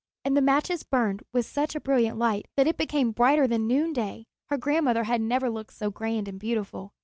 And the matches burned with such a brilliant light that it became brighter than noonday. Her grandmother had never looked so grand and beautiful.